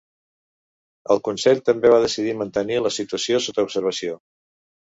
El Consell també va decidir mantenir la situació sota observació.